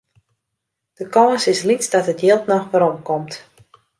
De kâns is lyts dat it jild noch werom komt.